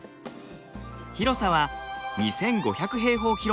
広さは２，５００平方ｋｍ。